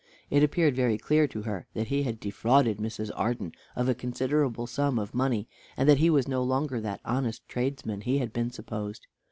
It appeared very clear to her that he had defrauded Mrs. Arden of a considerable sum of money, and that he was no longer that honest tradesman he had been supposed.